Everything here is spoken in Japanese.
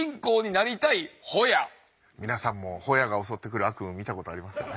皆さんもホヤが襲ってくる悪夢見たことありますよね。